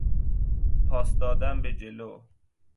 پاس دادن به جلو